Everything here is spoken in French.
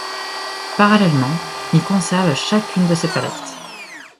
Parallèlement, il conserve chacune de ses palette.